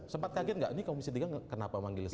sempat kaget nggak ini komisi tiga kenapa manggil saya